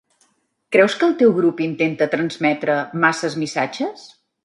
Creus que el teu grup intenta transmetre masses missatges?